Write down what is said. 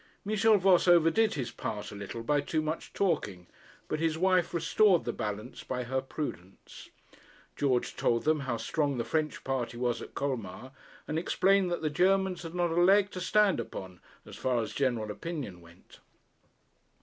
Michel Voss overdid his part a little by too much talking, but his wife restored the balance by her prudence. George told them how strong the French party was at Colmar, and explained that the Germans had not a leg to stand upon as far as general opinion went.